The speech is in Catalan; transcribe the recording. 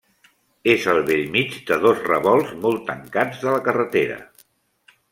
És al bell mig de dos revolts molt tancats de la carretera.